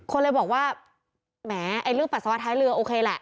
คนเลยบอกว่าแหมไอ้เรื่องปัสสาวะท้ายเรือโอเคแหละ